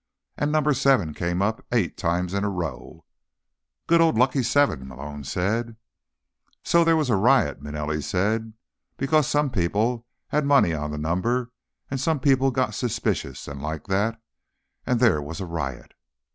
And number seven came up eight times in a row." "Good old lucky seven," Malone said. "So there was a riot," Manelli said. "Because some people had money on the number, and some people got suspicious, and like that. And there was a riot."